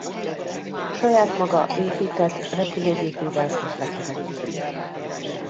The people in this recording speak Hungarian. Saját maga épített repülőgépével közlekedett.